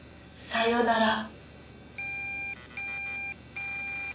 さよなら」